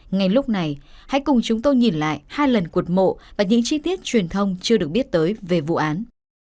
ngay lúc này hãy cùng chúng tôi nhìn lại hai lần cột mộ và những chi tiết truyền thông chưa được biết tới về vụ án